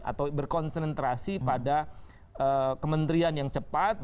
atau berkonsentrasi pada kementerian yang cepat